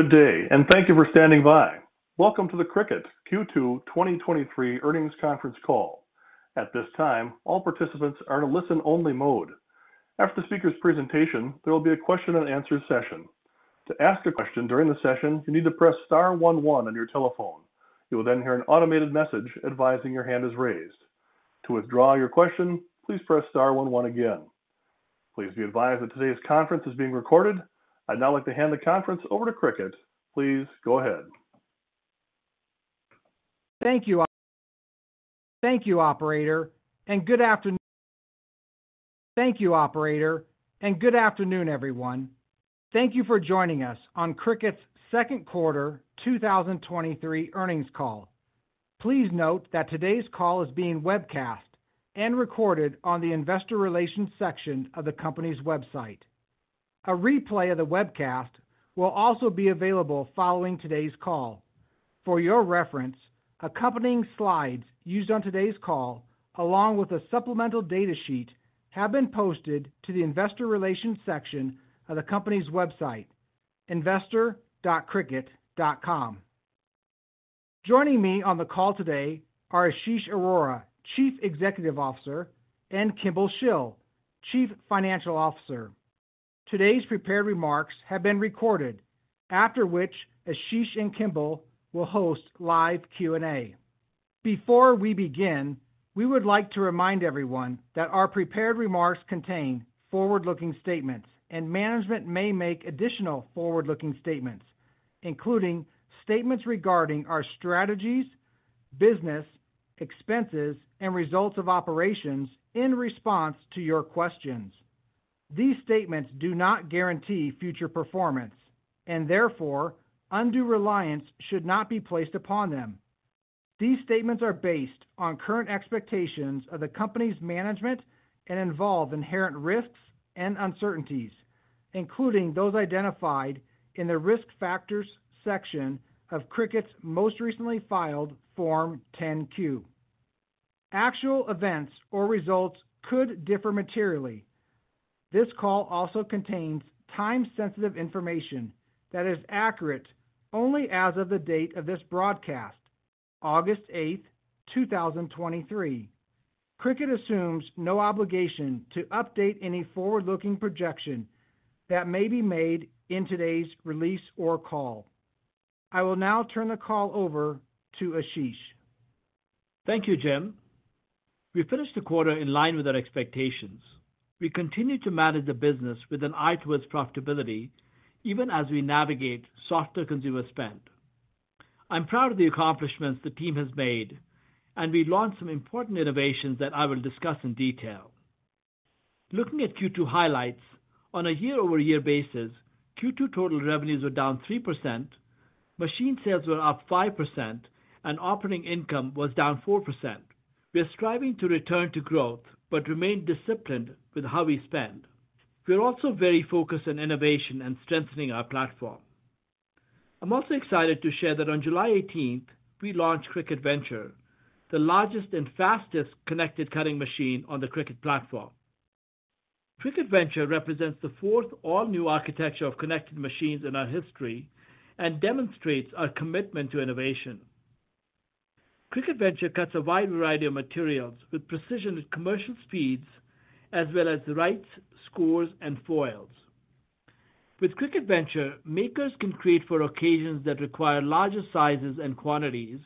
Good day, and thank you for standing by. Welcome to the Cricut Q2 2023 Earnings Conference Call. At this time, all participants are in a listen-only mode. After the speaker's presentation, there will be a question-and-answer session. To ask a question during the session, you need to press star 11 on your telephone. You will then hear an automated message advising your hand is raised. To withdraw your question, please press star 11 again. Please be advised that today's conference is being recorded. I'd now like to hand the conference over to Cricut. Please go ahead. Thank you. Thank you, operator, good afternoon, everyone. Thank you for joining us on Cricut's second quarter 2023 earnings call. Please note that today's call is being webcast and recorded on the Investor Relations section of the company's website. A replay of the webcast will also be available following today's call. For your reference, accompanying slides used on today's call, along with a supplemental data sheet, have been posted to the Investor Relations section of the company's website, investor.cricut.com. Joining me on the call today are Ashish Arora, Chief Executive Officer, and Kimball Shill, Chief Financial Officer. Today's prepared remarks have been recorded, after which Ashish and Kimball will host live Q&A. Before we begin, we would like to remind everyone that our prepared remarks contain forward-looking statements, and management may make additional forward-looking statements, including statements regarding our strategies, business, expenses, and results of operations in response to your questions. These statements do not guarantee future performance, and therefore, undue reliance should not be placed upon them. These statements are based on current expectations of the company's management and involve inherent risks and uncertainties, including those identified in the Risk Factors section of Cricut's most recently filed Form 10-Q. Actual events or results could differ materially. This call also contains time-sensitive information that is accurate only as of the date of this broadcast, August 8, 2023. Cricut assumes no obligation to update any forward-looking projection that may be made in today's release or call. I will now turn the call over to Ashish. Thank you, Jim. We finished the quarter in line with our expectations. We continue to manage the business with an eye towards profitability, even as we navigate softer consumer spend. I'm proud of the accomplishments the team has made. We launched some important innovations that I will discuss in detail. Looking at Q2 highlights, on a year-over-year basis, Q2 total revenues were down 3%, machine sales were up 5%, and operating income was down 4%. We are striving to return to growth. Remain disciplined with how we spend. We are also very focused on innovation and strengthening our platform. I'm also excited to share that on July eighteenth, we launched Cricut Venture, the largest and fastest connected cutting machine on the Cricut platform. Cricut Venture represents the fourth all-new architecture of connected machines in our history and demonstrates our commitment to innovation. Cricut Venture cuts a wide variety of materials with precision at commercial speeds, as well as writes, scores, and foils. With Cricut Venture, makers can create for occasions that require larger sizes and quantities,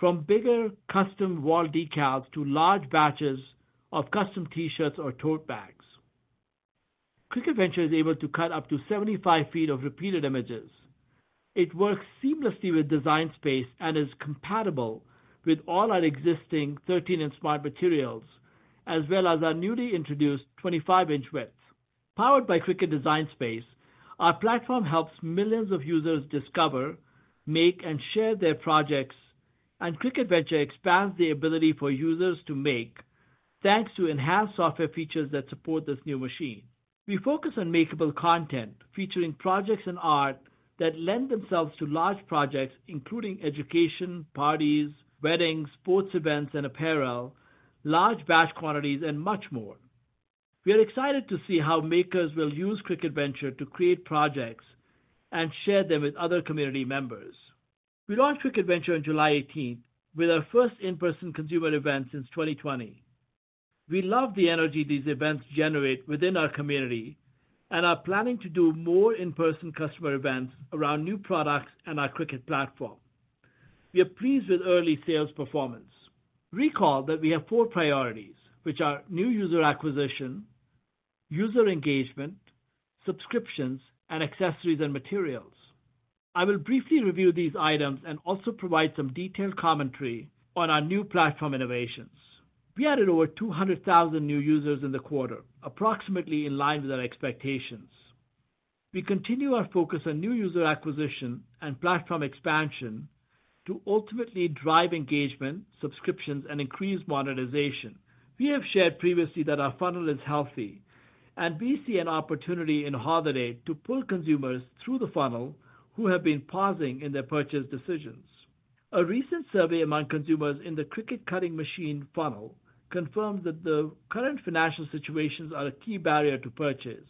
from bigger custom wall decals to large batches of custom T-shirts or tote bags. Cricut Venture is able to cut up to 75 feet of repeated images. It works seamlessly with Design Space and is compatible with all our existing 13-inch Smart Materials, as well as our newly introduced 25-inch widths. Powered by Cricut Design Space, our platform helps millions of users discover, make, and share their projects, and Cricut Venture expands the ability for users to make, thanks to enhanced software features that support this new machine. We focus on makeable content, featuring projects and art that lend themselves to large projects, including education, parties, weddings, sports events, and apparel, large batch quantities, and much more. We are excited to see how makers will use Cricut Venture to create projects and share them with other community members. We launched Cricut Venture on July eighteenth, with our first in-person consumer event since 2020. We love the energy these events generate within our community and are planning to do more in-person customer events around new products and our Cricut platform. We are pleased with early sales performance. Recall that we have four priorities, which are new user acquisition, user engagement, subscriptions, and Accessories and Materials. I will briefly review these items and also provide some detailed commentary on our new platform innovations. We added over 200,000 new users in the quarter, approximately in line with our expectations. We continue our focus on new user acquisition and platform expansion to ultimately drive engagement, subscriptions, and increase monetization. We have shared previously that our funnel is healthy, and we see an opportunity in holiday to pull consumers through the funnel who have been pausing in their purchase decisions. A recent survey among consumers in the Cricut cutting machine funnel confirms that the current financial situations are a key barrier to purchase.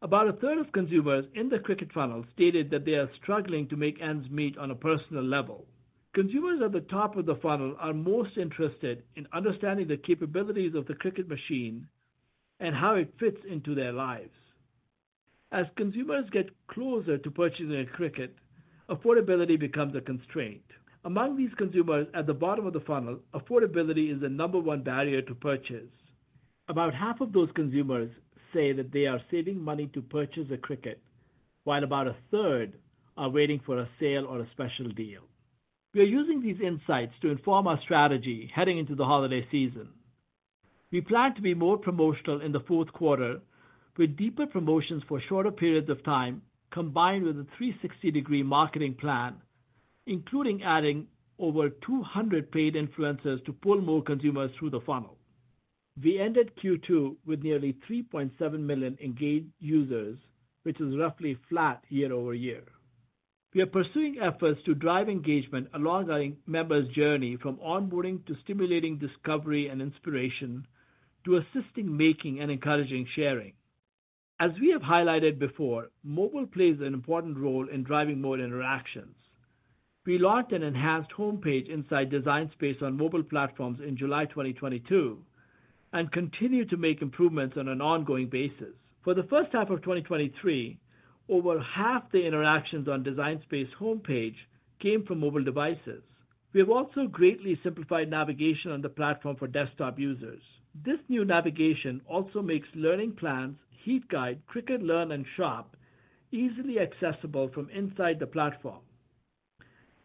About a third of consumers in the Cricut funnel stated that they are struggling to make ends meet on a personal level. Consumers at the top of the funnel are most interested in understanding the capabilities of the Cricut machine and how it fits into their lives. As consumers get closer to purchasing a Cricut, affordability becomes a constraint. Among these consumers at the bottom of the funnel, affordability is the number one barrier to purchase. About half of those consumers say that they are saving money to purchase a Cricut, while about a third are waiting for a sale or a special deal. We are using these insights to inform our strategy heading into the holiday season. We plan to be more promotional in the fourth quarter, with deeper promotions for shorter periods of time, combined with a 360-degree marketing plan, including adding over 200 paid influencers to pull more consumers through the funnel. We ended Q2 with nearly 3.7 million engaged users, which is roughly flat year-over-year. We are pursuing efforts to drive engagement along our members' journey, from onboarding to stimulating discovery and inspiration, to assisting, making, and encouraging sharing. As we have highlighted before, mobile plays an important role in driving more interactions. We launched an enhanced homepage inside Design Space on mobile platforms in July 2022, and continue to make improvements on an ongoing basis. For the first half of 2023, over half the interactions on Design Space homepage came from mobile devices. We have also greatly simplified navigation on the platform for desktop users. This new navigation also makes learning plans, Heat Guide, Cricut Learn and Shop, easily accessible from inside the platform.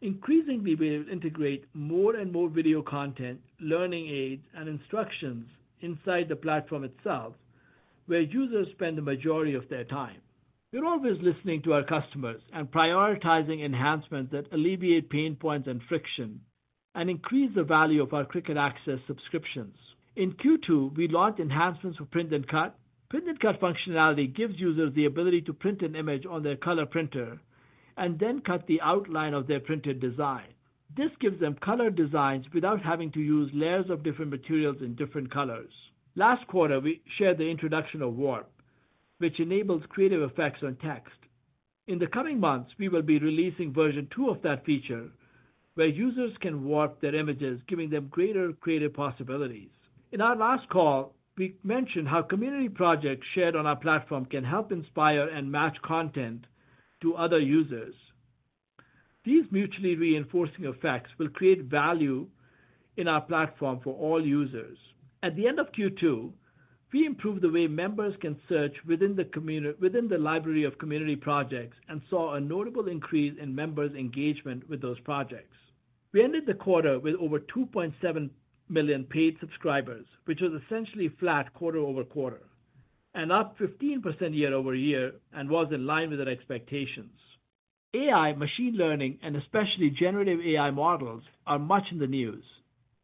Increasingly, we will integrate more and more video content, learning aids, and instructions inside the platform itself, where users spend the majority of their time. We're always listening to our customers and prioritizing enhancements that alleviate pain points and friction, and increase the value of our Cricut Access subscriptions. In Q2, we launched enhancements for Print Then Cut. Print Then Cut functionality gives users the ability to print an image on their color printer and then cut the outline of their printed design. This gives them color designs without having to use layers of different materials in different colors. Last quarter, we shared the introduction of Warp, which enables creative effects on text. In the coming months, we will be releasing version two of that feature, where users can warp their images, giving them greater creative possibilities. In our last call, we mentioned how community projects shared on our platform can help inspire and match content to other users. These mutually reinforcing effects will create value in our platform for all users. At the end of Q2, we improved the way members can search within the library of community projects, and saw a notable increase in members' engagement with those projects. We ended the quarter with over 2.7 million paid subscribers, which was essentially flat quarter-over-quarter, and up 15% year-over-year, and was in line with our expectations. AI, machine learning, and especially generative AI models, are much in the news.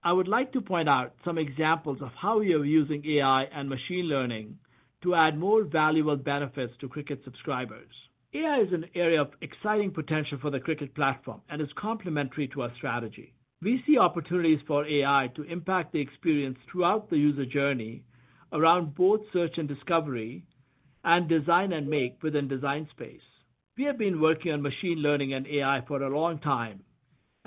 I would like to point out some examples of how we are using AI and machine learning to add more valuable benefits to Cricut subscribers. AI is an area of exciting potential for the Cricut platform and is complementary to our strategy. We see opportunities for AI to impact the experience throughout the user journey around both search and discovery, and design and make within Design Space. We have been working on machine learning and AI for a long time,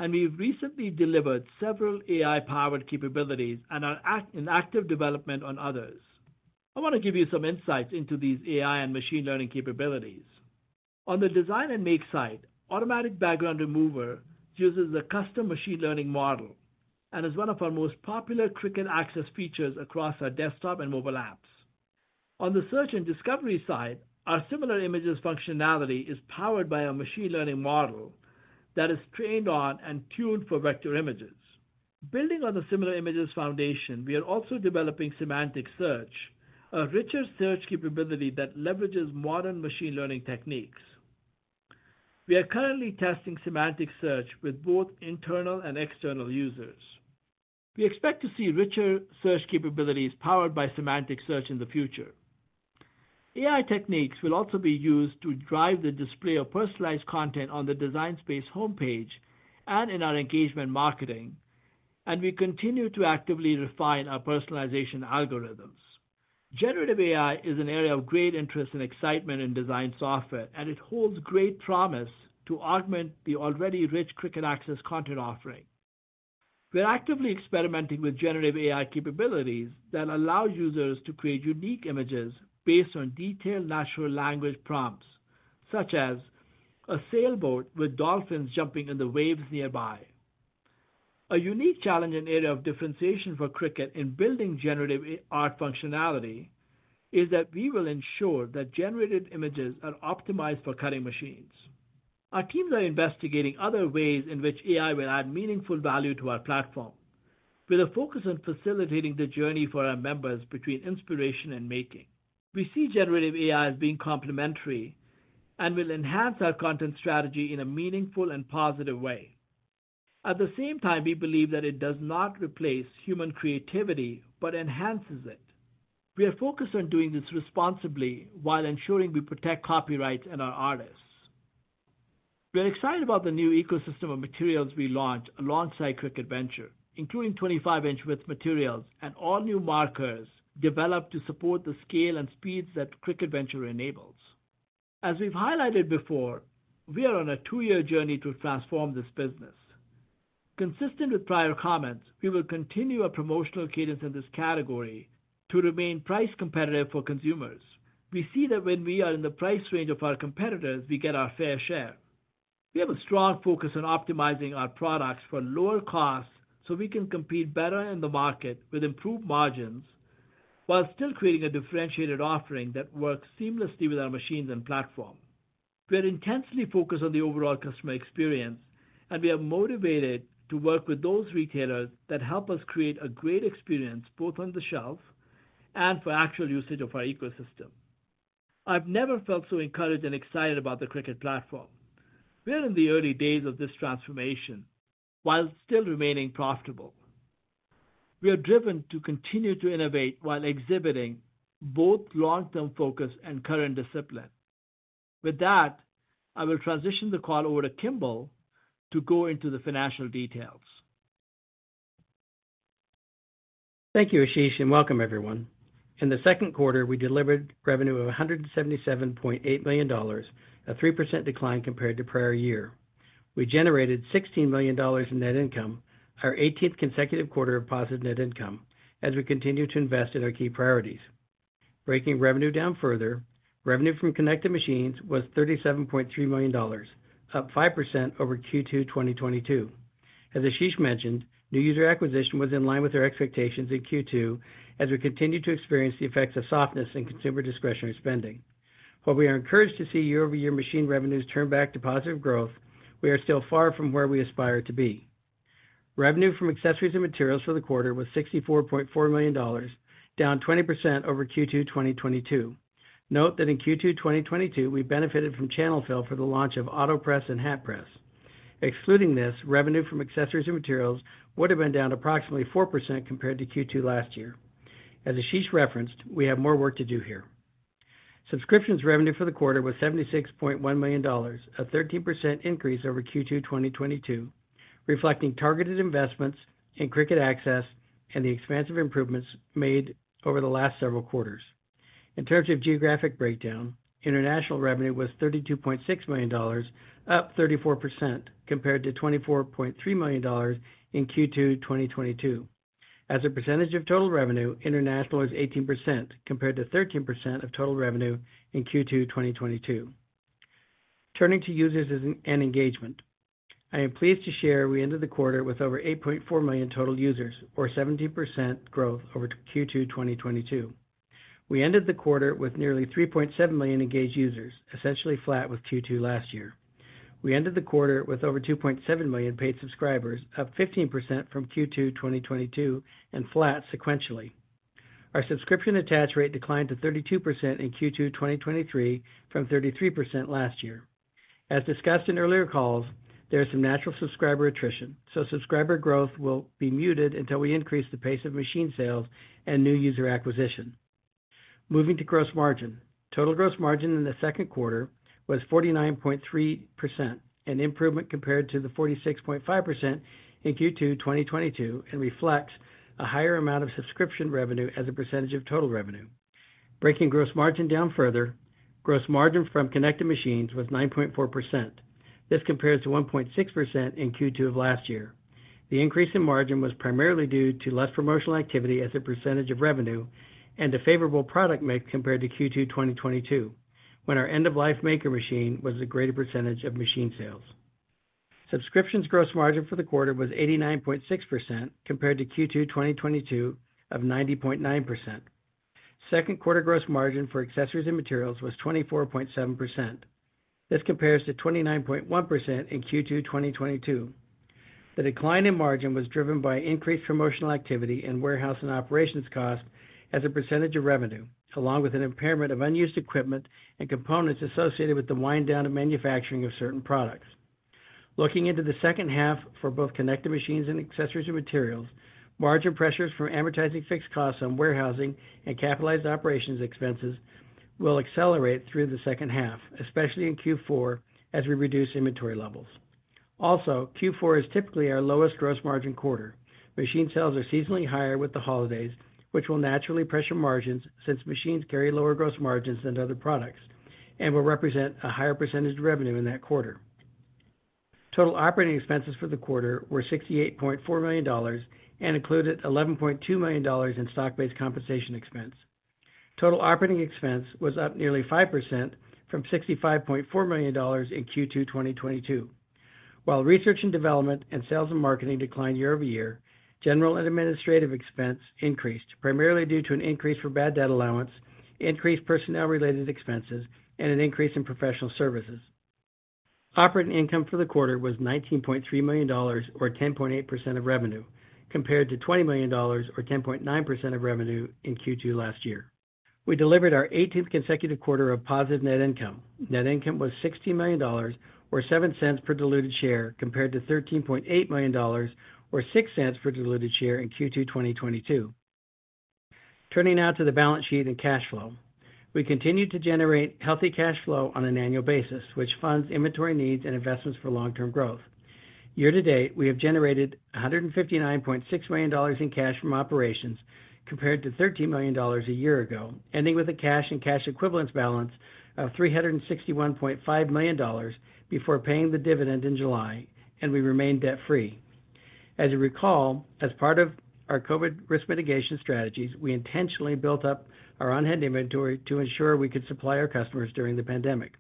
and we've recently delivered several AI-powered capabilities and are in active development on others. I want to give you some insights into these AI and machine learning capabilities. On the design and make side, Automatic Background Remover uses a custom machine learning model and is one of our most popular Cricut Access features across our desktop and mobile apps. On the search and discovery side, our Similar Images functionality is powered by a machine learning model that is trained on and tuned for vector images. Building on the Similar Images foundation, we are also developing semantic search, a richer search capability that leverages modern machine learning techniques. We are currently testing semantic search with both internal and external users. We expect to see richer search capabilities powered by semantic search in the future. AI techniques will also be used to drive the display of personalized content on the Design Space homepage and in our engagement marketing, and we continue to actively refine our personalization algorithms. Generative AI is an area of great interest and excitement in design software, and it holds great promise to augment the already rich Cricut Access content offering. We're actively experimenting with generative AI capabilities that allow users to create unique images based on detailed natural language prompts, such as a sailboat with dolphins jumping in the waves nearby. A unique challenge and area of differentiation for Cricut in building generative AI art functionality is that we will ensure that generated images are optimized for cutting machines. Our teams are investigating other ways in which AI will add meaningful value to our platform, with a focus on facilitating the journey for our members between inspiration and making. We see Generative AI as being complementary and will enhance our content strategy in a meaningful and positive way. At the same time, we believe that it does not replace human creativity, but enhances it. We are focused on doing this responsibly while ensuring we protect copyrights and our artists. We are excited about the new ecosystem of materials we launched alongside Cricut Venture, including 25 inch width materials and all new markers developed to support the scale and speeds that Cricut Venture enables. As we've highlighted before, we are on a two-year journey to transform this business. Consistent with prior comments, we will continue our promotional cadence in this category to remain price competitive for consumers. We see that when we are in the price range of our competitors, we get our fair share. We have a strong focus on optimizing our products for lower costs, so we can compete better in the market with improved margins, while still creating a differentiated offering that works seamlessly with our machines and platform. We are intensely focused on the overall customer experience, and we are motivated to work with those retailers that help us create a great experience, both on the shelf and for actual usage of our ecosystem. I've never felt so encouraged and excited about the Cricut platform. We are in the early days of this transformation, while still remaining profitable. We are driven to continue to innovate while exhibiting both long-term focus and current discipline. With that, I will transition the call over to Kimball to go into the financial details. Thank you, Ashish, welcome everyone. In the second quarter, we delivered revenue of $177.8 million, a 3% decline compared to prior year. We generated $16 million in net income, our 18th consecutive quarter of positive net income, as we continue to invest in our key priorities. Breaking revenue down further, revenue from Connected Machines was $37.3 million, up 5% over Q2 2022. As Ashish mentioned, new user acquisition was in line with our expectations in Q2, as we continued to experience the effects of softness in consumer discretionary spending. While we are encouraged to see year-over-year machine revenues turn back to positive growth, we are still far from where we aspire to be. Revenue from Accessories and Materials for the quarter was $64.4 million, down 20% over Q2 2022. Note that in Q2 2022, we benefited from channel fill for the launch of Autopress and Hat Press. Excluding this, revenue from Accessories and Materials would have been down approximately 4% compared to Q2 last year. As Ashish referenced, we have more work to do here. Subscriptions revenue for the quarter was $76.1 million, a 13% increase over Q2 2022, reflecting targeted investments in Cricut Access and the expansive improvements made over the last several quarters. In terms of geographic breakdown, international revenue was $32.6 million, up 34% compared to $24.3 million in Q2 2022. As a percentage of total revenue, international is 18%, compared to 13% of total revenue in Q2 2022. Turning to users and engagement. I am pleased to share we ended the quarter with over 8.4 million total users, or 17% growth over Q2, 2022. We ended the quarter with nearly 3.7 million engaged users, essentially flat with Q2 last year. We ended the quarter with over 2.7 million paid subscribers, up 15% from Q2, 2022, and flat sequentially. Our subscription attach rate declined to 32% in Q2, 2023, from 33% last year. As discussed in earlier calls, there is some natural subscriber attrition, so subscriber growth will be muted until we increase the pace of machine sales and new user acquisition. Moving to gross margin. Total gross margin in the second quarter was 49.3%, an improvement compared to the 46.5% in Q2 2022, and reflects a higher amount of subscription revenue as a percentage of total revenue. Breaking gross margin down further, gross margin from Connected Machines was 9.4%. This compares to 1.6% in Q2 of last year. The increase in margin was primarily due to less promotional activity as a percentage of revenue and a favorable product mix compared to Q2 2022, when our end-of-life Cricut Maker machine was a greater percentage of machine sales. Subscriptions gross margin for the quarter was 89.6%, compared to Q2 2022 of 90.9%. Second quarter gross margin for Accessories and Materials was 24.7%. This compares to 29.1% in Q2 2022. The decline in margin was driven by increased promotional activity and warehouse and operations costs as a pecentage of revenue, along with an impairment of unused equipment and components associated with the wind down of manufacturing of certain products. Looking into the second half for both Connected Machines and Accessories and Materials, margin pressures from amortizing fixed costs on warehousing and capitalized operations expenses will accelerate through the second half, especially in Q4, as we reduce inventory levels. Q4 is typically our lowest gross margin quarter. Machine sales are seasonally higher with the holidays, which will naturally pressure margins since machines carry lower gross margins than other products and will represent a higher pecentage of revenue in that quarter. Total operating expenses for the quarter were $68.4 million and included $11.2 million in stock-based compensation expense. Total operating expense was up nearly 5% from $65.4 million in Q2, 2022. While research and development and sales and marketing declined year-over-year, general and administrative expense increased, primarily due to an increase for bad debt allowance, increased personnel-related expenses, and an increase in professional services. Operating income for the quarter was $19.3 million, or 10.8% of revenue, compared to $20 million or 10.9% of revenue in Q2 last year. We delivered our 18th consecutive quarter of positive Net income. Net income was $60 million, or 0.07 per diluted share, compared to 13.8 million, or 0.06 per diluted share in Q2 2022. Turning now to the balance sheet and cash flow. We continued to generate healthy cash flow on an annual basis, which funds inventory needs and investments for long-term growth. Year to date, we have generated $159.6 million in cash from operations, compared to $13 million a year ago, ending with a cash and cash equivalence balance of $361.5 million before paying the dividend in July, and we remain debt-free. As you recall, as part of our COVID risk mitigation strategies, we intentionally built up our on-hand inventory to ensure we could supply our customers during the pandemic.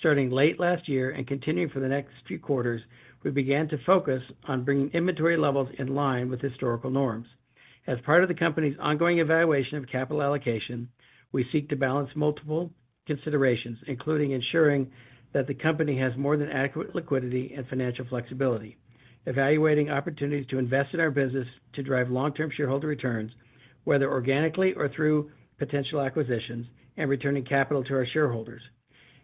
Starting late last year and continuing for the next few quarters, we began to focus on bringing inventory levels in line with historical norms. As part of the company's ongoing evaluation of capital allocation, we seek to balance multiple considerations, including ensuring that the company has more than adequate liquidity and financial flexibility, evaluating opportunities to invest in our business to drive long-term shareholder returns, whether organically or through potential acquisitions and returning capital to our shareholders.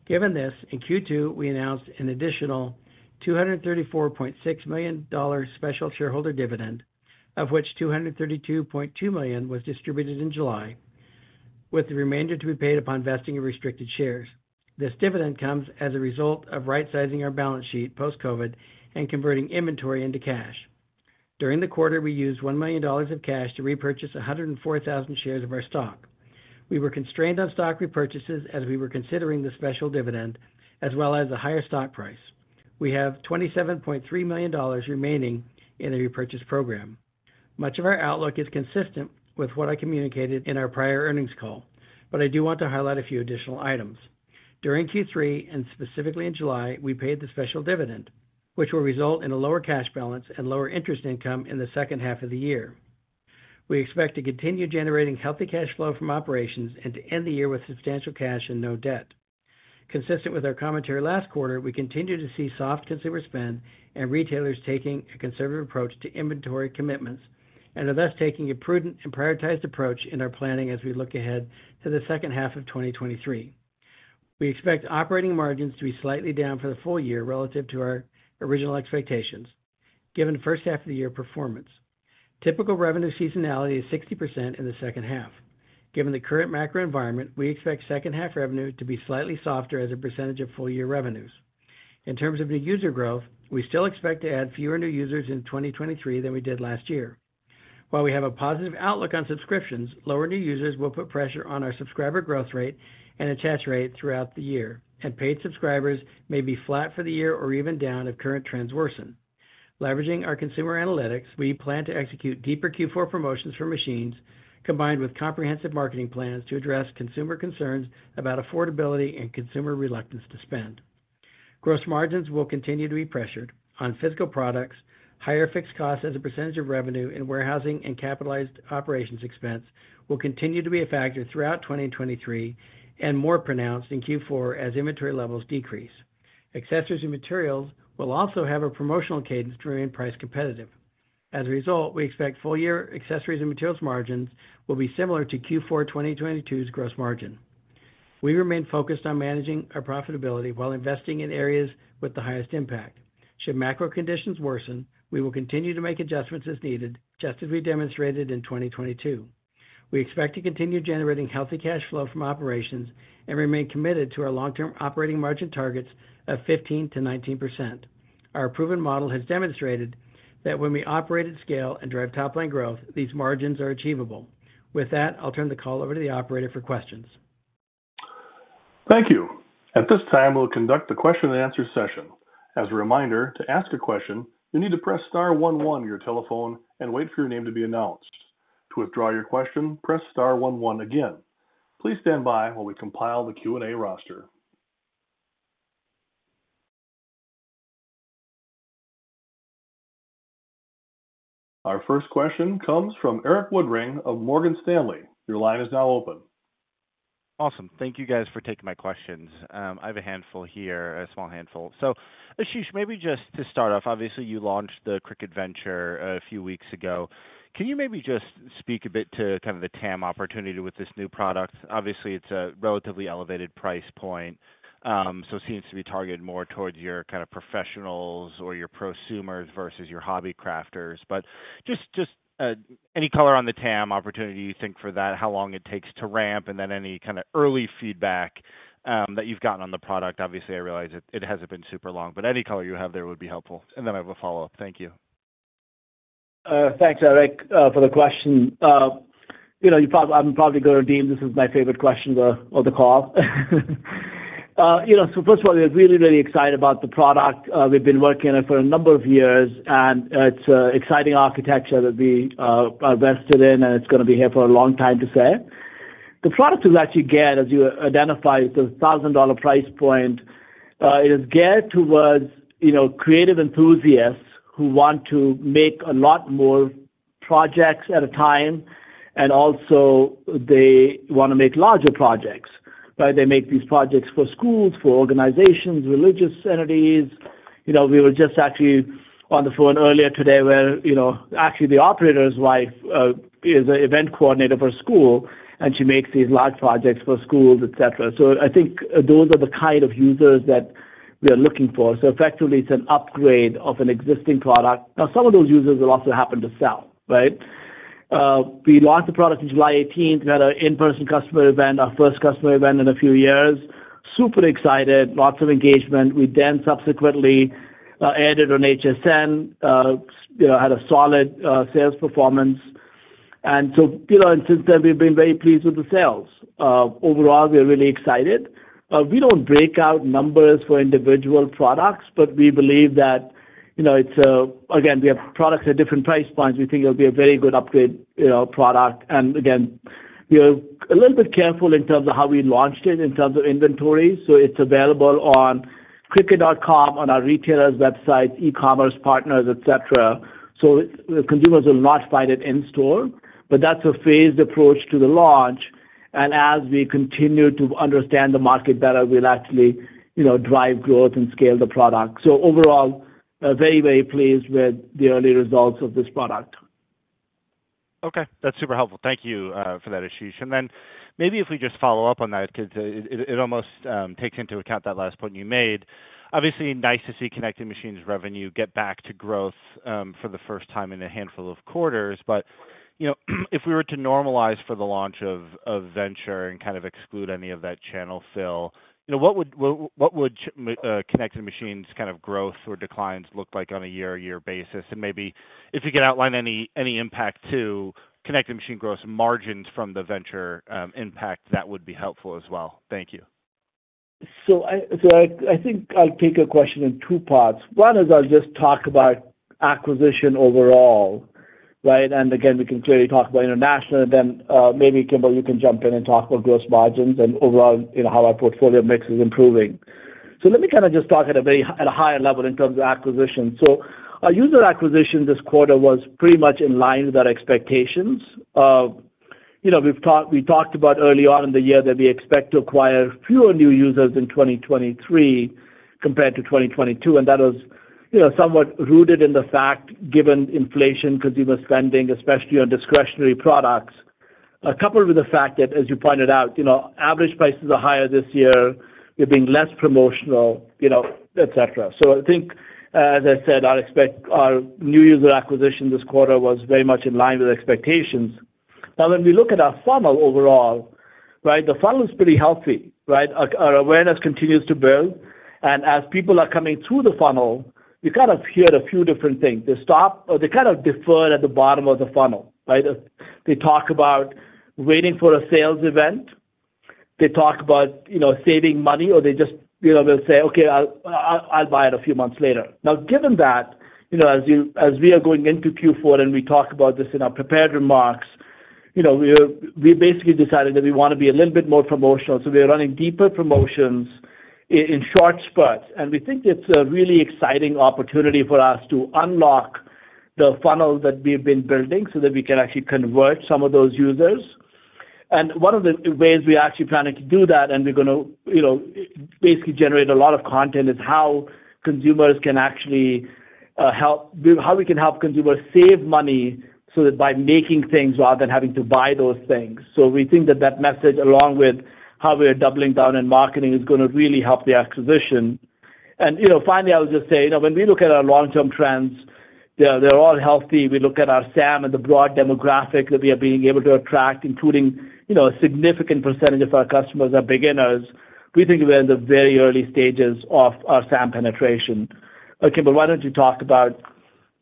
Given this, in Q2, we announced an additional $234.6 million special shareholder dividend, of which $232.2 million was distributed in July, with the remainder to be paid upon vesting of restricted shares. This dividend comes as a result of right-sizing our balance sheet post-COVID and converting inventory into cash. During the quarter, we used $1 million of cash to repurchase 104,000 shares of our stock. We were constrained on stock repurchases as we were considering the special dividend, as well as the higher stock price. We have $27.3 million remaining in the repurchase program. Much of our outlook is consistent with what I communicated in our prior earnings call. I do want to highlight a few additional items. During Q3, specifically in July, we paid the special dividend, which will result in a lower cash balance and lower interest income in the second half of the year. We expect to continue generating healthy cash flow from operations and to end the year with substantial cash and no debt. Consistent with our commentary last quarter, we continue to see soft consumer spend and retailers taking a conservative approach to inventory commitments, and are thus taking a prudent and prioritized approach in our planning as we look ahead to the second half of 2023. We expect operating margins to be slightly down for the full year relative to our original expectations, given first half of the year performance. Typical revenue seasonality is 60% in the second half. Given the current macro environment, we expect second half revenue to be slightly softer as a percentage of full year revenues. In terms of new user growth, we still expect to add fewer new users in 2023 than we did last year. While we have a positive outlook on subscriptions, lower new users will put pressure on our subscriber growth rate and attach rate throughout the year, and paid subscribers may be flat for the year or even down if current trends worsen. Leveraging our consumer analytics, we plan to execute deeper Q4 promotions for machines, combined with comprehensive marketing plans to address consumer concerns about affordability and consumer reluctance to spend. Gross margins will continue to be pressured on physical products. Higher fixed costs as a percentage of revenue in warehousing and capitalized operations expense will continue to be a factor throughout 2023, and more pronounced in Q4 as inventory levels decrease. Accessories and Materials will also have a promotional cadence to remain price competitive. As a result, we expect full year Accessories and Materials margins will be similar to Q4 2022's gross margin. We remain focused on managing our profitability while investing in areas with the highest impact. Should macro conditions worsen, we will continue to make adjustments as needed, just as we demonstrated in 2022. We expect to continue generating healthy cash flow from operations and remain committed to our long-term operating margin targets of 15%-19%. Our proven model has demonstrated that when we operate at scale and drive top line growth, these margins are achievable. With that, I'll turn the call over to the operator for questions. Thank you. At this time, we'll conduct the Q&A session. As a reminder, to ask a question, you need to press star one one on your telephone and wait for your name to be announced. To withdraw your question, press star one one again. Please stand by while we compile the Q&A roster. Our first question comes from Erik Woodring of Morgan Stanley. Your line is now open. Awesome. Thank you, guys, for taking my questions. I have a handful here, a small handful. Ashish, maybe just to start off, obviously, you launched the Cricut Venture a few weeks ago. Can you maybe just speak a bit to kind of the TAM opportunity with this new product? Obviously, it's a relatively elevated price point, so it seems to be targeted more towards your kind of professionals or your prosumers versus your hobby crafters. Just, just any color on the TAM opportunity you think for that, how long it takes to ramp, and then any kind of early feedback that you've gotten on the product? Obviously, I realize it, it hasn't been super long, but any color you have there would be helpful. Then I have a follow-up. Thank you. Thanks, Eric, for the question. You know, you probably-- I'm probably going to deem this is my favorite question of the call. You know, so first of all, we're really, really excited about the product. We've been working on it for a number of years, and it's an exciting architecture that we are vested in, and it's going to be here for a long time to stay. The product is actually geared, as you identified, it's a $1,000 price point. It is geared towards, you know, creative enthusiasts who want to make a lot more projects at a time, and also they want to make larger projects. Right, they make these projects for schools, for organizations, religious entities.... You know, we were just actually on the phone earlier today, where, you know, actually, the operator's wife, is an event coordinator for school, and she makes these large projects for schools, et cetera. I think those are the kind of users that we are looking for. Effectively, it's an upgrade of an existing product. Now, some of those users will also happen to sell, right? We launched the product in July 18. We had an in-person customer event, our first customer event in a few years. Super excited, lots of engagement. We then subsequently, added on HSN, you know, had a solid, sales performance. You know, since then, we've been very pleased with the sales. Overall, we are really excited. We don't break out numbers for individual products. We believe that, you know, again, we have products at different price points. We think it'll be a very good upgrade, you know, product. Again, we are a little bit careful in terms of how we launched it, in terms of inventory, so it's available on cricut.com, on our retailers' websites, e-commerce partners, et cetera. The consumers will not find it in store. That's a phased approach to the launch. As we continue to understand the market better, we'll actually, you know, drive growth and scale the product. Overall, very, very pleased with the early results of this product. Okay, that's super helpful. Thank you for that, Ashish. Then maybe if we just follow up on that, 'cause it, it, it almost takes into account that last point you made. Obviously, nice to see Connected Machines revenue get back to growth for the first time in a handful of quarters. You know, if we were to normalize for the launch of Venture and kind of exclude any of that channel fill, you know, what would, what, what would Connected Machines kind of growth or declines look like on a year-to-year basis? Maybe if you could outline any, any impact to Connected Machine gross margins from the Venture impact, that would be helpful as well. Thank you. I think I'll take your question in two parts. One is I'll just talk about acquisition overall, right? Again, we can clearly talk about international, and then, maybe, Kimball, you can jump in and talk about gross margins and overall, you know, how our portfolio mix is improving. Let me kind of just talk at a very at a higher level in terms of acquisition. Our user acquisition this quarter was pretty much in line with our expectations. You know, we've talked, we talked about early on in the year that we expect to acquire fewer new users in 2023 compared to 2022, and that was, you know, somewhat rooted in the fact, given inflation, consumer spending, especially on discretionary products. A couple of the fact that, as you pointed out, you know, average prices are higher this year, we've been less promotional, you know, et cetera. I think, as I said, our new user acquisition this quarter was very much in line with expectations. Now, when we look at our funnel overall, right, the funnel is pretty healthy, right? Our, our awareness continues to build, and as people are coming through the funnel, we kind of hear a few different things. They stop or they kind of defer at the bottom of the funnel, right? They talk about waiting for a sales event. They talk about, you know, saving money, or they just, you know, they'll say, "Okay, I'll, I'll, I'll buy it a few months later." Now, given that, you know, we are going into Q4, and we talked about this in our prepared remarks, you know, we basically decided that we want to be a little bit more promotional, so we are running deeper promotions in short spurts. We think it's a really exciting opportunity for us to unlock the funnel that we've been building so that we can actually convert some of those users. One of the ways we're actually planning to do that, and we're going to, you know, basically generate a lot of content, is how consumers can actually help how we can help consumers save money, so that by making things rather than having to buy those things. We think that that message, along with how we are doubling down in marketing, is going to really help the acquisition. You know, finally, I would just say, you know, when we look at our long-term trends, they're all healthy. We look at our SAM and the broad demographic that we are being able to attract, including, you know, a significant % of our customers are beginners. We think we're in the very early stages of our SAM penetration. Okay, why don't you talk about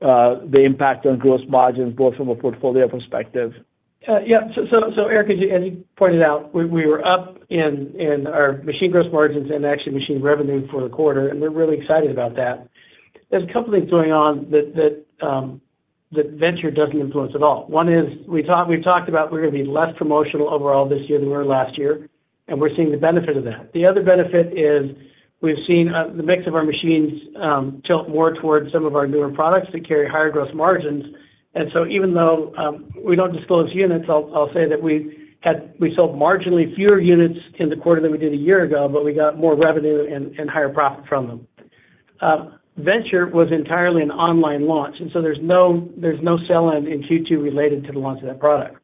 the impact on gross margins, both from a portfolio perspective? Yeah. Erik, as you pointed out, we were up in our machine gross margins and actually machine revenue for the quarter, and we're really excited about that. There's a couple of things going on that Venture doesn't influence at all. One is, we talked about we're going to be less promotional overall this year than we were last year, and we're seeing the benefit of that. The other benefit is, we've seen the mix of our machines tilt more towards some of our newer products that carry higher gross margins. Even though we don't disclose units, I'll say that we sold marginally fewer units in the quarter than we did a year ago, but we got more revenue and higher profit from them. Venture was entirely an online launch, and so there's no, there's no sell-in in Q2 related to the launch of that product.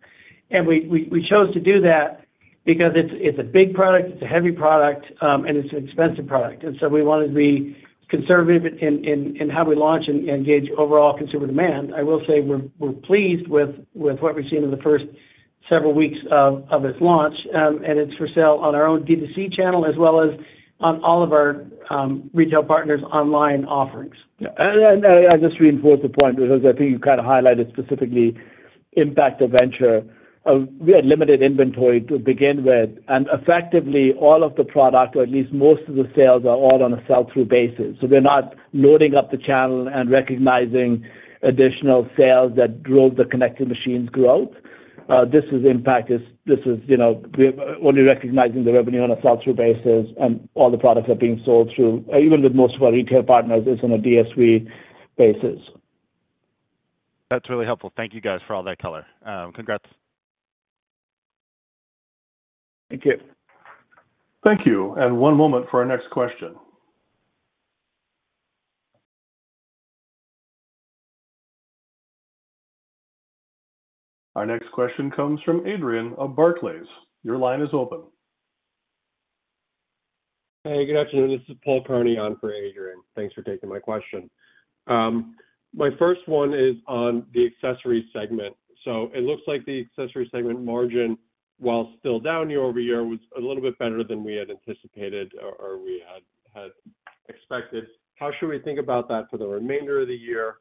We, we, we chose to do that because it's, it's a big product, it's a heavy product, and it's an expensive product. So we wanted to be conservative in, in, in how we launch and, and gauge overall consumer demand. I will say we're, we're pleased with, with what we've seen in the first several weeks of, of its launch, and it's for sale on our own D2C channel, as well as on all of our retail partners' online offerings. Yeah, I just reinforce the point, because I think you kind of highlighted specifically impact of Cricut Venture. We had limited inventory to begin with, and effectively, all of the product, or at least most of the sales, are all on a sell-through basis. We're not loading up the channel and recognizing additional sales that drove the Connected Machines growth. This is impact, this is, you know, we're only recognizing the revenue on a sell-through basis, and all the products are being sold through... Even with most of our retail partners, it's on a DSV basis. That's really helpful. Thank you, guys, for all that color. Congrats. Thank you. Thank you, and one moment for our next question. Our next question comes from Adrian of Barclays. Your line is open. Hey, good afternoon. This is Paul Kearney on for Adrian. Thanks for taking my question. My first one is on the accessories segment. It looks like the accessories segment margin, while still down year-over-year, was a little bit better than we had anticipated or, or we had, had expected. How should we think about that for the remainder of the year?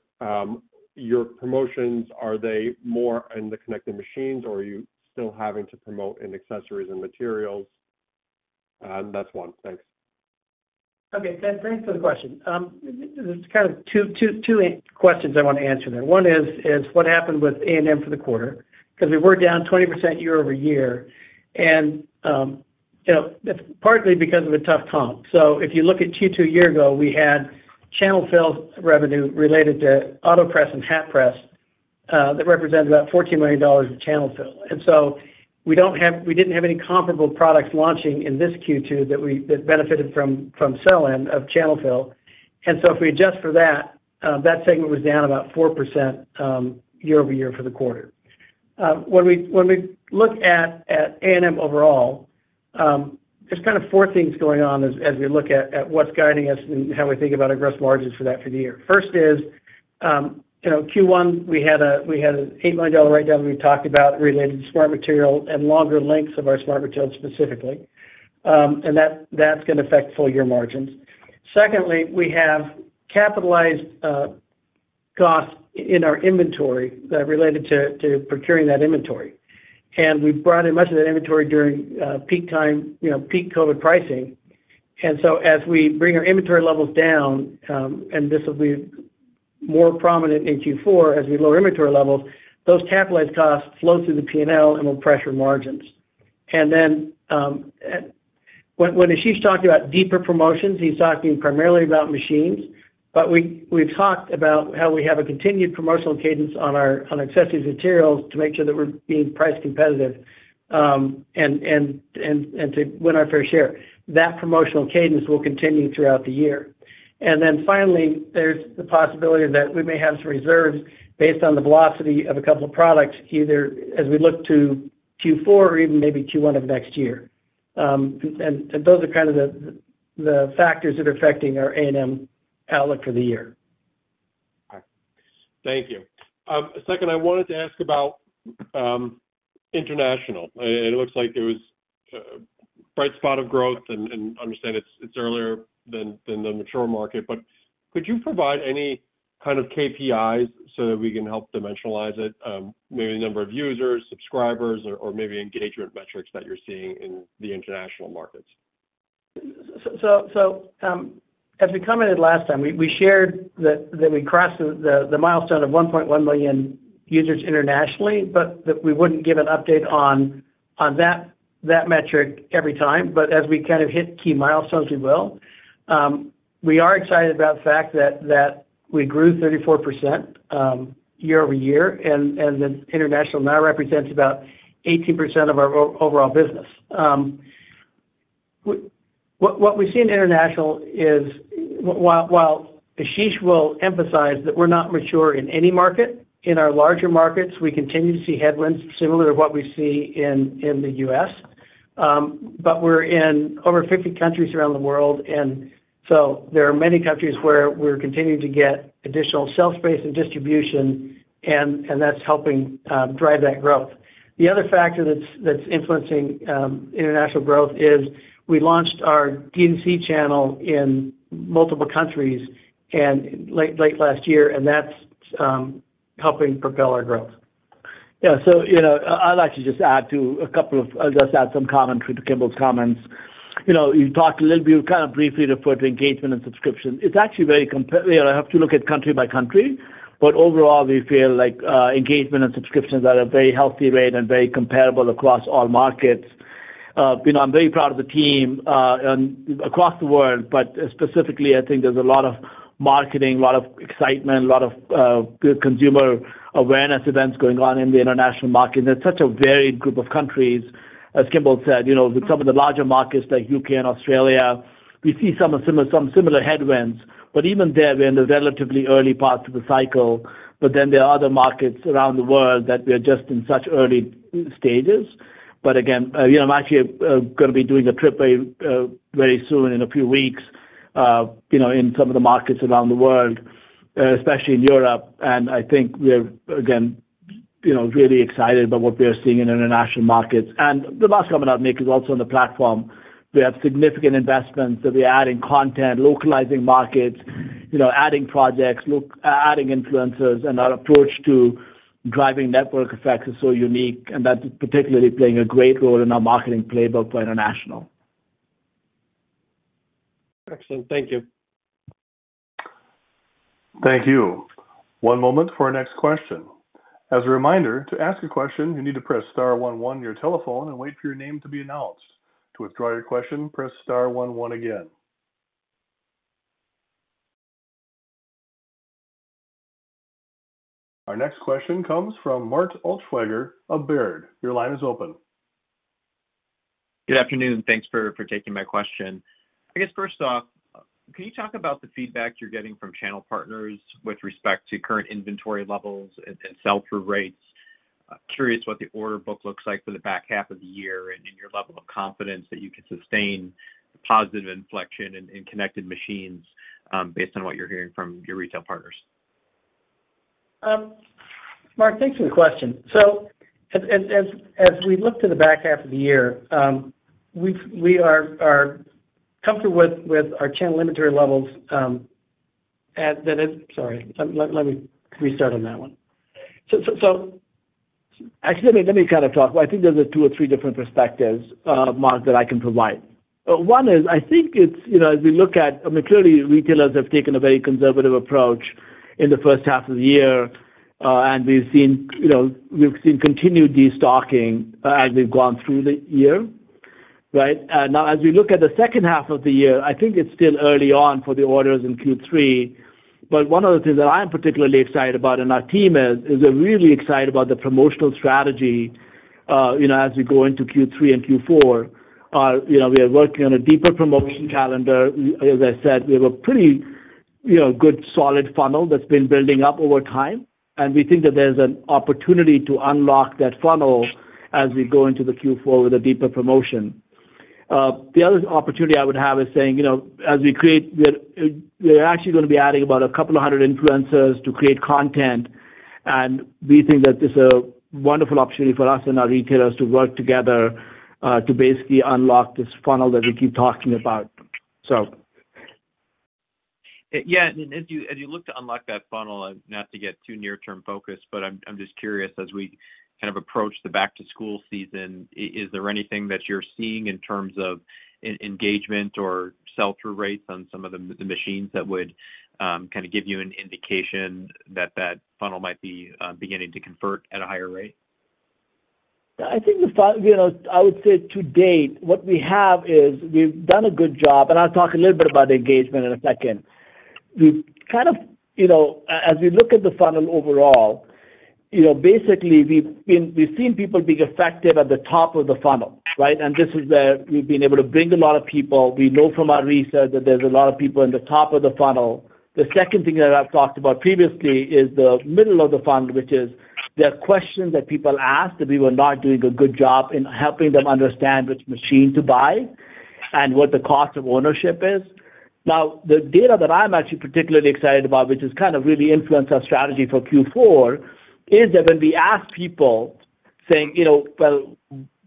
Your promotions, are they more in the Connected Machines, or are you still having to promote in Accessories and Materials? That's one. Thanks. Okay, thanks for the question. there's kind of two, two, two questions I want to answer there. One is, is what happened with A&M for the quarter? We were down 20% year-over-year, and, you know, partly because of a tough comp. If you look at Q2 a year ago, we had channel fill revenue related to Cricut Autopress and Cricut Hat Press, that represented about $14 million of channel fill. We don't have-- we didn't have any comparable products launching in this Q2 that we, that benefited from, from sell-in of channel fill. If we adjust for that, that segment was down about 4%, year-over-year for the quarter. When we look at A&M overall, there's kind of four things going on as we look at what's guiding us and how we think about our gross margins for that for the year. First is, you know, Q1, we had an $8 million write-down that we talked about related to Smart Material and longer lengths of our Smart Materials, specifically. That's going to affect full year margins. Secondly, we have capitalized costs in our inventory that related to procuring that inventory. We brought in much of that inventory during peak time, you know, peak COVID pricing. As we bring our inventory levels down, and this will be more prominent in Q4 as we lower inventory levels, those capitalized costs flow through the P&L and will pressure margins. When Ashish talked about deeper promotions, he's talking primarily about machines, but we, we've talked about how we have a continued promotional cadence on our Accessories and Materials to make sure that we're being price competitive and to win our fair share. That promotional cadence will continue throughout the year. Finally, there's the possibility that we may have some reserves based on the velocity of a couple of products, either as we look to Q4 or even maybe Q1 of next year. Those are kind of the factors that are affecting our A&M outlook for the year. All right. Thank you. Second, I wanted to ask about international. It looks like it was a bright spot of growth, and, and I understand it's, it's earlier than, than the mature market. Could you provide any kind of KPIs so that we can help dimensionalize it? Maybe number of users, subscribers, or, or maybe engagement metrics that you're seeing in the international markets. As we commented last time, we shared that we crossed the milestone of 1.1 million users internationally, but that we wouldn't give an update on that metric every time. As we kind of hit key milestones, we will. We are excited about the fact that we grew 34% year-over-year, and the international now represents about 18% of our overall business. What we see in international is while Ashish will emphasize that we're not mature in any market, in our larger markets, we continue to see headwinds similar to what we see in the U.S. We're in over 50 countries around the world, so there are many countries where we're continuing to get additional shelf space and distribution, and that's helping drive that growth. The other factor that's influencing international growth is we launched our D2C channel in multiple countries late last year, and that's helping propel our growth. You know, I'd like to just add to a couple of just add some commentary to Kimball's comments. You know, you talked a little bit, kind of briefly referred to engagement and subscription. It's actually very comp- I have to look at country by country, but overall, we feel like engagement and subscriptions are at a very healthy rate and very comparable across all markets. You know, I'm very proud of the team and across the world, but specifically, I think there's a lot of marketing, a lot of excitement, a lot of good consumer awareness events going on in the international market. It's such a varied group of countries, as Kimball said. You know, with some of the larger markets like U.K. and Australia, we see some of similar, some similar headwinds. Even there, we're in the relatively early parts of the cycle. Again, you know, I'm actually going to be doing a trip very soon, in a few weeks, you know, in some of the markets around the world, especially in Europe. I think we're, again, you know, really excited about what we are seeing in international markets. The last comment I'll make is also on the platform. We have significant investments, so we're adding content, localizing markets, you know, adding projects, adding influencers, and our approach to driving network effects is so unique, and that's particularly playing a great role in our marketing playbook for international. Excellent. Thank you. Thank you. One moment for our next question. As a reminder, to ask a question, you need to press star one one on your telephone and wait for your name to be announced. To withdraw your question, press star one one again. Our next question comes from Mark Altschwager of Baird. Your line is open. Good afternoon. Thanks for, for taking my question. I guess, first off, can you talk about the feedback you're getting from channel partners with respect to current inventory levels and, and sell-through rates? I'm curious what the order book looks like for the back half of the year, and in your level of confidence that you can sustain positive inflection in, in Connected Machines, based on what you're hearing from your retail partners. Mark, thanks for the question. As, as, as, as we look to the back half of the year, we are comfortable with our channel inventory levels. Actually, let me kind of talk. I think there's two or three different perspectives, Mark, that I can provide. One is, I think it's, you know, as we look at. I mean, clearly, retailers have taken a very conservative approach in the first half of the year, and we've seen, you know, we've seen continued destocking as we've gone through the year, right? As we look at the second half of the year, I think it's still early on for the orders in Q3. One of the things that I'm particularly excited about, and our team is, is we're really excited about the promotional strategy, you know, as we go into Q3 and Q4. You know, we are working on a deeper promotion calendar. As I said, we have a pretty, you know, good, solid funnel that's been building up over time, and we think that there's an opportunity to unlock that funnel as we go into the Q4 with a deeper promotion. The other opportunity I would have is saying, you know, as we create, we're, we're actually going to be adding about 200 influencers to create content, and we think that this is a wonderful opportunity for us and our retailers to work together, to basically unlock this funnel that we keep talking about. Yeah, as you, as you look to unlock that funnel, and not to get too near-term focused, but I'm just curious, as we kind of approach the back-to-school season, is there anything that you're seeing in terms of engagement or sell-through rates on some of the machines that would kind of give you an indication that that funnel might be beginning to convert at a higher rate? I think, you know, I would say to date, what we have is, we've done a good job, and I'll talk a little bit about the engagement in a second. We've kind of, you know, as we look at the funnel overall, you know, basically, we've seen people being effective at the top of the funnel, right? This is where we've been able to bring a lot of people. We know from our research that there's a lot of people in the top of the funnel. The second thing that I've talked about previously is the middle of the funnel, which is there are questions that people ask, that we were not doing a good job in helping them understand which machine to buy and what the cost of ownership is. The data that I'm actually particularly excited about, which has kind of really influenced our strategy for Q4, is that when we ask people, saying, "You know, well,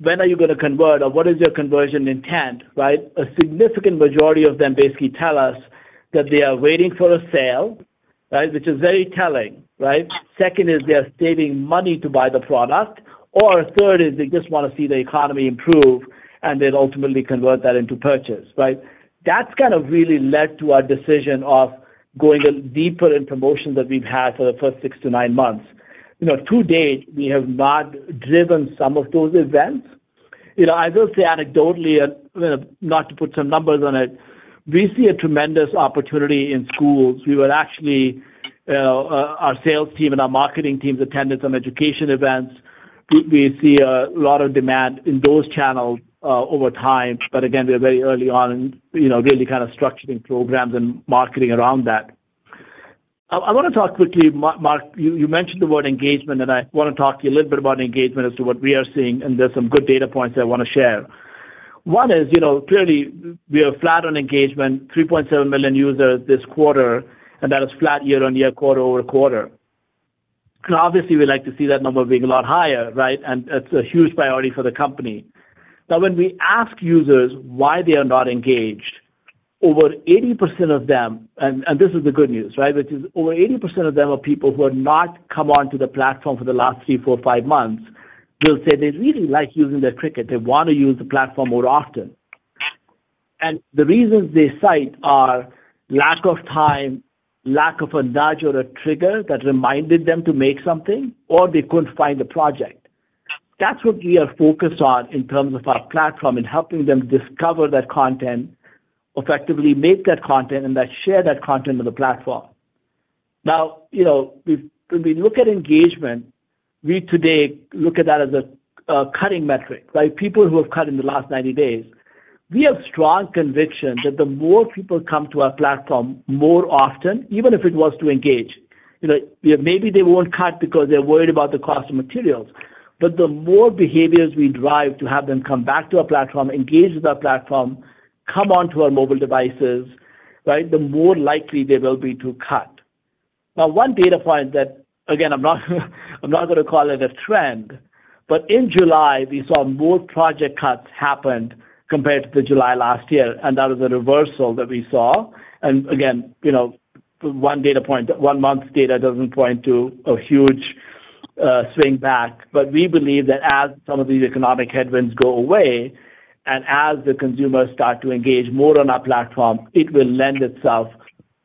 when are you going to convert, or what is your conversion intent," right, a significant majority of them basically tell us that they are waiting for a sale, right? Which is very telling, right. Second is they are saving money to buy the product, or third is they just want to see the economy improve, and they'd ultimately convert that into purchase, right? That's kind of really led to our decision of going in deeper in promotions that we've had for the first six-nine months. You know, to date, we have not driven some of those events. You know, I will say anecdotally, and, you know, not to put some numbers on it, we see a tremendous opportunity in schools. We were actually, our sales team and our marketing teams attended some education events. We, we see a lot of demand in those channels over time, but again, we're very early on and, you know, really kind of structuring programs and marketing around that. I want to talk quickly, Mark, you mentioned the word engagement, and I want to talk to you a little bit about engagement as to what we are seeing, and there's some good data points I want to share. One is, you know, clearly, we are flat on engagement, 3.7 million users this quarter, and that is flat year-over-year, quarter-over-quarter. Obviously, we like to see that number being a lot higher, right? That's a huge priority for the company. Now, when we ask users why they are not engaged, over 80% of them, and this is the good news, right, over 80% of them are people who have not come onto the platform for the last three, four, five months, will say they really like using their Cricut. They want to use the platform more often. The reasons they cite are lack of time, lack of a nudge or a trigger that reminded them to make something, or they couldn't find a project. That's what we are focused on in terms of our platform, in helping them discover that content, effectively make that content, and then share that content on the platform. Now, you know, when we look at engagement, we today look at that as a, a cutting metric, right? People who have cut in the last 90 days. We have strong conviction that the more people come to our platform more often, even if it was to engage, you know, maybe they won't cut because they're worried about the cost of materials. The more behaviors we drive to have them come back to our platform, engage with our platform, come onto our mobile devices, right, the more likely they will be to cut. One data point that, again, I'm not, I'm not going to call it a trend, but in July, we saw more project cuts happened compared to the July last year, and that was a reversal that we saw. Again, you know, one data point, one month's data doesn't point to a huge swing back. We believe that as some of these economic headwinds go away, and as the consumers start to engage more on our platform, it will lend itself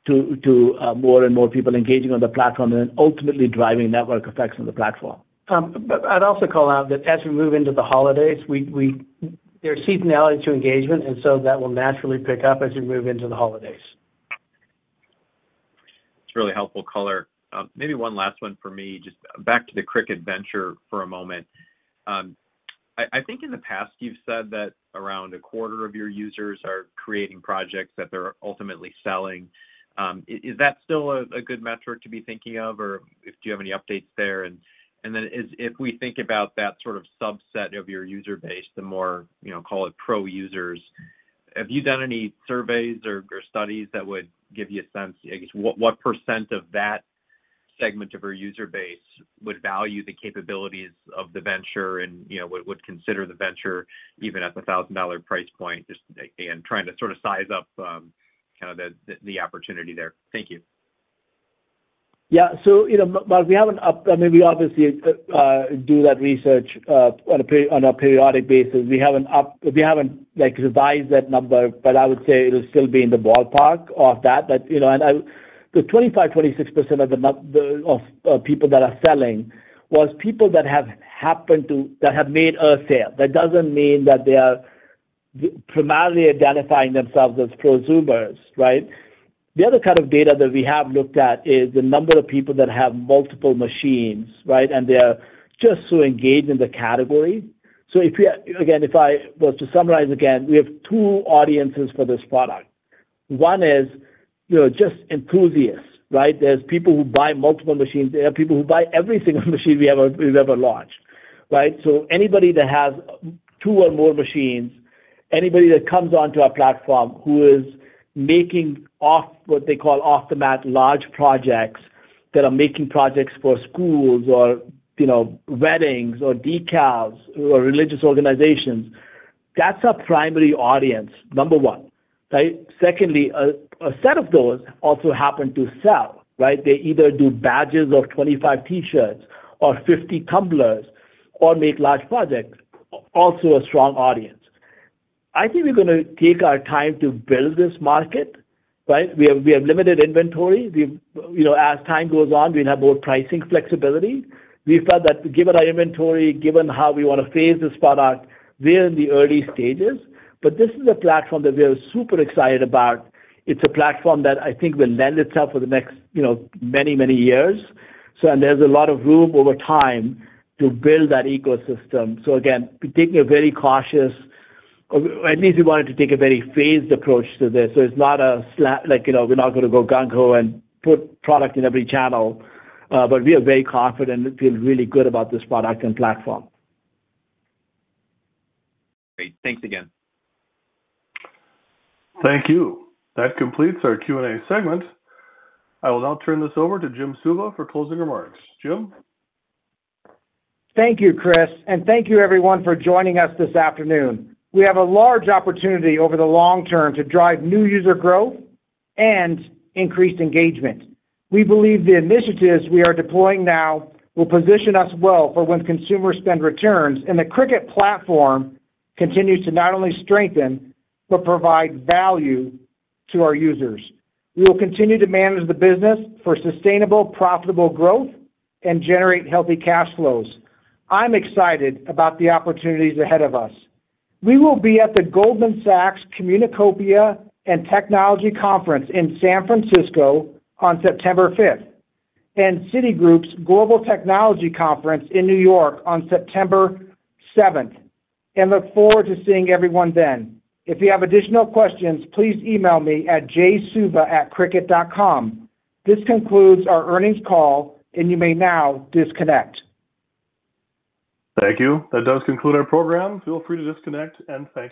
to, to more and more people engaging on the platform and ultimately driving network effects on the platform. I'd also call out that as we move into the holidays, there's seasonality to engagement, and so that will naturally pick up as we move into the holidays. It's really helpful color. Maybe one last one for me, just back to the Cricut Venture for a moment. I, I think in the past, you've said that around a quarter of your users are creating projects that they're ultimately selling. Is, is that still a, a good metric to be thinking of, or if do you have any updates there? Then as if we think about that sort of subset of your user base, the more, you know, call it pro users, have you done any surveys or, or studies that would give you a sense, I guess, what, what percent of that segment of your user base would value the capabilities of the Venture and, you know, would, would consider the Venture even at the $1,000 price point? Just again, trying to sort of size up, kind of the, the, the opportunity there. Thank you. Yeah. You know, but we have an up-- I mean, we obviously do that research on a per, on a periodic basis. We haven't we haven't, like, revised that number, but I would say it'll still be in the ballpark of that. You know, the 25%-26% of people that are selling was people that have happened to That have made a sale. That doesn't mean that they are primarily identifying themselves as prosumers, right? The other kind of data that we have looked at is the number of people that have multiple machines, right? They are just so engaged in the category. If we, again, if I was to summarize again, we have two audiences for this product. One is, you know, just enthusiasts, right? There's people who buy multiple machines. There are people who buy every single machine we ever, we've ever launched, right? So anybody that has two or more machines, anybody that comes onto our platform, who is making off, what they call off-the-mat, large projects, that are making projects for schools or, you know, weddings or decals or religious organizations, that's our primary audience, number one, right? Secondly, a set of those also happen to sell, right? They either do badges or 25 T-shirts or 50 tumblers or make large projects, also a strong audience. I think we're going to take our time to build this market, right? We have, we have limited inventory. We've, you know, as time goes on, we'll have more pricing flexibility. We felt that given our inventory, given how we want to phase this product, we're in the early stages. This is a platform that we are super excited about. It's a platform that I think will lend itself for the next, you know, many, many years. There's a lot of room over time to build that ecosystem. Again, we're taking a very cautious, or at least we wanted to take a very phased approach to this. It's not a slap like, you know, we're not going to go gung-ho and put product in every channel, but we are very confident and feel really good about this product and platform. Great. Thanks again. Thank you. That completes our Q&A segment. I will now turn this over to Jim Suva for closing remarks. Jim? Thank you, Chris, and thank you everyone for joining us this afternoon. We have a large opportunity over the long term to drive new user growth and increased engagement. We believe the initiatives we are deploying now will position us well for when consumer spend returns, and the Cricut platform continues to not only strengthen, but provide value to our users. We will continue to manage the business for sustainable, profitable growth and generate healthy cash flows. I'm excited about the opportunities ahead of us. We will be at the Goldman Sachs Communacopia + Technology Conference in San Francisco on September fifth, and Citigroup's Global Technology Conference in New York on September seventh, and look forward to seeing everyone then. If you have additional questions, please email me at jsuva@cricut.com. This concludes our earnings call, and you may now disconnect. Thank you. That does conclude our program. Feel free to disconnect and thank you.